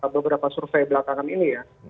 beberapa survei belakangan ini ya